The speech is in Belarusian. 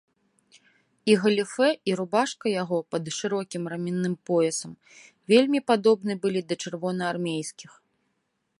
І галіфэ і рубашка яго пад шырокім раменным поясам вельмі падобны былі да чырвонаармейскіх.